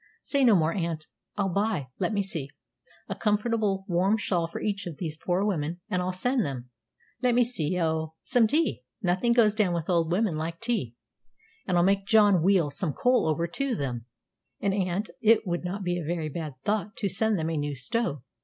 "Say no more, aunt. I'll buy let me see a comfortable warm shawl for each of these poor women; and I'll send them let me see O, some tea nothing goes down with old women like tea; and I'll make John wheel some coal over to them; and, aunt, it would not be a very bad thought to send them a new stove.